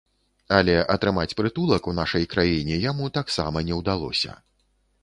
Але атрымаць прытулак у нашай краіне яму таксама не ўдалося.